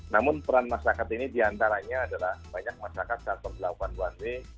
namun peran masyarakat ini diantaranya adalah banyak masyarakat saat pembelakuan one way